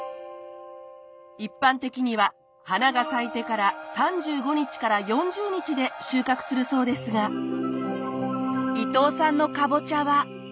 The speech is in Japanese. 一般的には花が咲いてから３５日から４０日で収穫するそうですが伊藤さんのカボチャは。